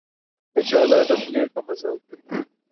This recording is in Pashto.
کچالو د خولې ښه مزه ورکوي